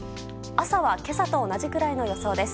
朝は今朝と同じくらいの予想です。